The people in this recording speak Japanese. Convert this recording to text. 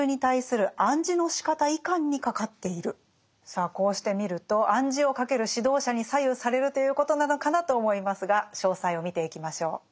さあこうして見ると暗示をかける指導者に左右されるということなのかなと思いますが詳細を見ていきましょう。